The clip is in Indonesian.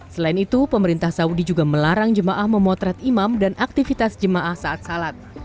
selain itu pemerintah saudi juga melarang jemaah memotret imam dan aktivitas jemaah saat salat